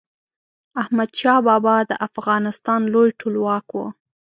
احمد شاه بابا د افغانستان لوی ټولواک و.